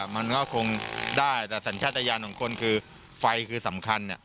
มันก็คงได้แต่สัญชาติยานของคนคือไฟคือสำคัญ